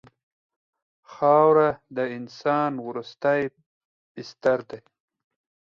خاوره د انسان وروستی بستر دی.